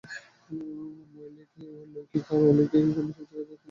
লৌকিক বা অলৌকিক কোনো শক্তির কাছে তিনি হাতজোড় করিতে নারাজ।